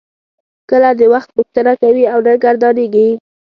کله د وخت پوښتنه کوي او نه ګردانیږي.